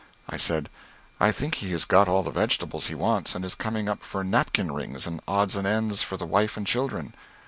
I said, "I think he has got all the vegetables he wants and is coming up for napkin rings and odds and ends for the wife and children.